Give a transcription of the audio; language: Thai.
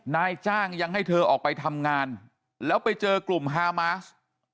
นายจ้างยังให้เธอออกไปทำงานแล้วไปเจอกลุ่มฮามาส